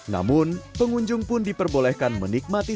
namun pengunjung pun diperbolehkan menikmati